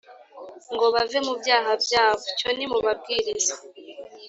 ngo bave mu byaha byabo: tyo nimubabwirize !